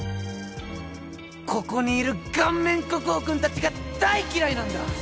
ここにいる顔面国宝くんたちが大嫌いなんだ！！